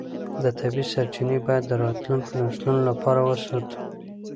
طبیعي سرچینې باید د راتلونکو نسلونو لپاره وساتو